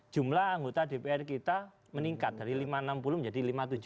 jumlah anggota dpr kita meningkat dari lima ratus enam puluh menjadi lima ratus tujuh puluh